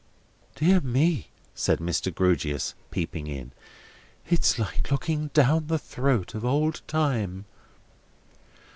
"Dear me," said Mr. Grewgious, peeping in, "it's like looking down the throat of Old Time."